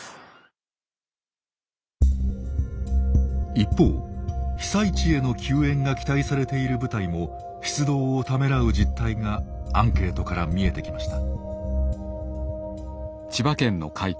一方被災地への救援が期待されている部隊も出動をためらう実態がアンケートから見えてきました。